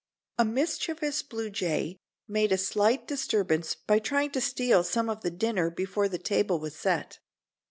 A mischievous blue jay made a slight disturbance by trying to steal some of the dinner before the table was set.